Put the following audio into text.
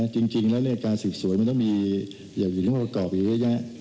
จริงแล้วเนี่ยการศึกษวยมันต้องมีอย่างหรือว่าประกอบอยู่เยอะ